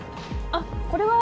あっこれは。